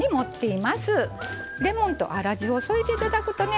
レモンと粗塩を添えて頂くとね